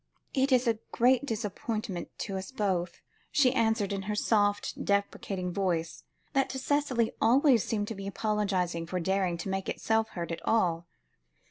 "It is a great disappointment to us both," she answered, in her soft, deprecating voice, that to Cicely always seemed to be apologising for daring to make itself heard at all.